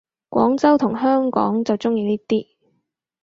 廣州同香港就鍾意呢啲